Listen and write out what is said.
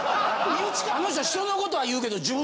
あの人人のことは言うけど。